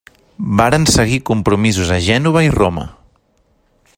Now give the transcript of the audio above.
Varen seguir compromisos a Gènova i Roma.